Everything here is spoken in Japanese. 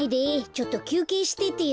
ちょっときゅうけいしててよ。